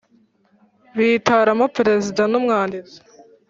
bitoramo perezida n umwanditsi